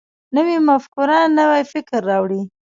نوې مفکوره نوی فکر راوړي